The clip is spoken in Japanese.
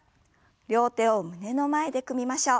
両手を胸の前で組みましょう。